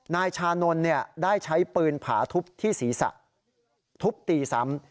นายชานนท์ได้ใช้ปืนผาทุบที่ศีรษะทุบตีซ้ำ